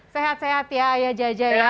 sehat sehat ya ayah jaja ya